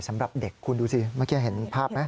สำหรับเด็กคุณดูสิเมื่อกี้เห็นภาพไหม